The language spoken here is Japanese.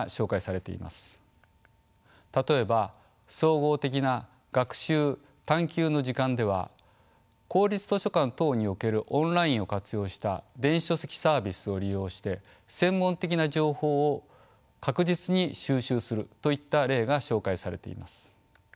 例えば総合的な学習探究の時間では「公立図書館等におけるオンラインを活用した電子書籍サービスを利用して専門的な情報を確実に収集する」といった例が紹介されています。